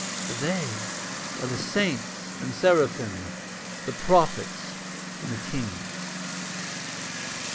For they are the saints and seraphim, The prophets and the kings.